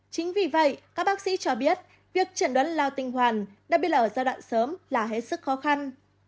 chính vì vậy các bác sĩ cho biết việc chẩn đoán lao tinh hoàn đặc biệt là ở giai đoạn sớm là hết sức khó khăn